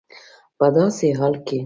په داسي حال کي